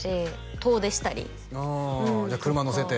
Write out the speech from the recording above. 遠出したりああじゃあ車乗せて？